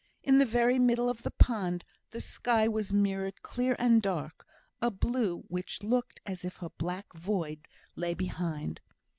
In the very middle of the pond the sky was mirrored clear and dark, a blue which looked as if a black void lay behind.